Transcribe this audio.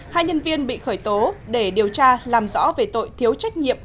hai nhân viên bị khởi tố để điều tra làm rõ về tội thiếu trách nhiệm